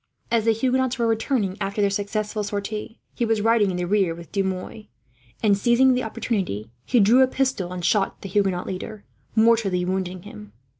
As the Huguenots were returning after their successful sortie, he was riding in the rear with De Mouy and, seizing his opportunity, he drew a pistol and shot the Huguenot leader, mortally wounding him.